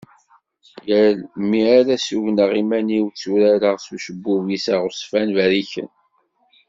yal mi ara sugneɣ iman-iw tturareɣ s ucebbub-is aɣezfan berriken.